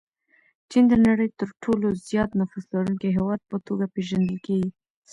چین د نړۍ د تر ټولو زیات نفوس لرونکي هېواد په توګه پېژندل کېږي.